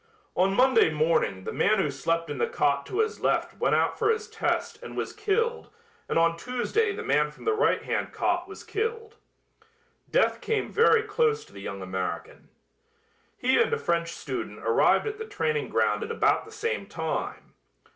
On Monday morning the man who slept in the cot to his left went out for his test and was killed and on Tuesday the man from the right hand cot was killed. Death came very close to the young American. He and a French student arrived at the training ground at about the same time.